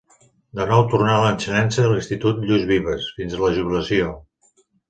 De nou tornà a l’ensenyança a l’Institut Lluís Vives, fins a la jubilació.